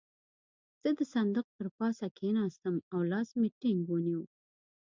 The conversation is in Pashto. زه د صندوق پر پاسه کېناستم او لاس مې ټينګ ونيو.